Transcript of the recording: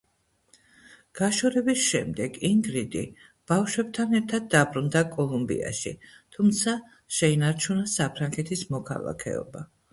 გაშორების შემდეგ ინგრიდი ბავშვებთან ერთად დაბრუნდა კოლუმბიაში, თუმცა შეინარჩუნა საფრანგეთის მოქალაქეობა.